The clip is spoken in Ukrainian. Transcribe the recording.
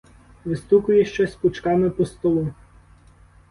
Вистукує щось пучками по столу.